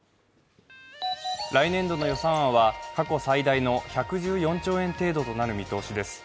来年度の予算案は過去最大の１１４兆円程度となる見通しです。